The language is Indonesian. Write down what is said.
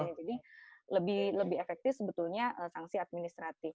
jadi lebih efektif sebetulnya sanksi administratif